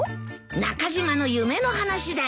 中島の夢の話だよ。